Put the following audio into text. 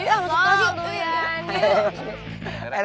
soal dulu ya nih